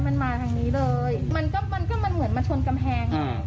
มันมาทางนี้เลยมันก็มันก็มันเหมือนมาชนกำแพงอ่ะ